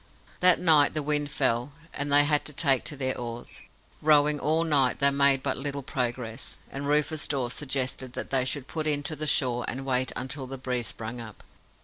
That night the wind fell, and they had to take to their oars. Rowing all night, they made but little progress, and Rufus Dawes suggested that they should put in to the shore and wait until the breeze sprang up.